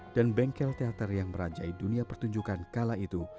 dan bengkel teater yang merajai dunia pertunjukan kala itu